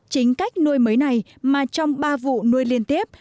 chính cách nuôi mới này mà trong ba vụ nuôi liên tiếp